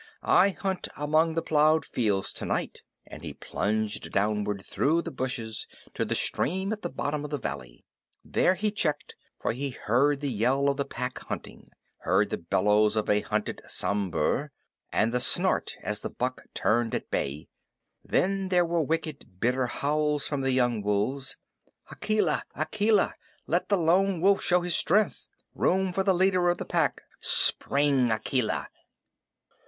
"I hunt among the plowed fields tonight," and he plunged downward through the bushes, to the stream at the bottom of the valley. There he checked, for he heard the yell of the Pack hunting, heard the bellow of a hunted Sambhur, and the snort as the buck turned at bay. Then there were wicked, bitter howls from the young wolves: "Akela! Akela! Let the Lone Wolf show his strength. Room for the leader of the Pack! Spring, Akela!"